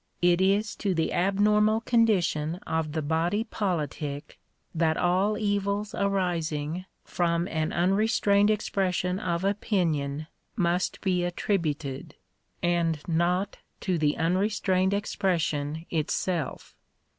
It is to the abnormal condition of the body politic that all evils arising from an unrestrained expression of opinion must be attributed, and not to the unrestrained expression itself.